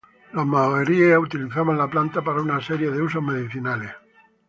Los Maoríes utilizaban la planta para una serie de usos medicinales.